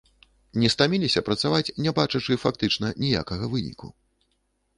Не стаміліся працаваць, не бачачы фактычна ніякага выніку?